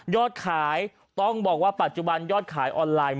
ขายต้องบอกว่าปัจจุบันยอดขายออนไลน์